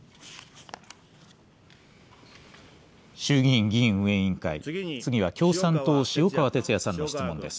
衆議院議院運営委員会、次は共産党、塩川鉄也さんの質問です。